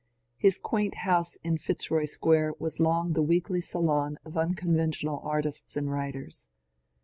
His quaint house in Fitzroy Square was long the weekly salon of uncon ventional artists and writers.